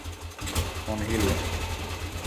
On hiljaista.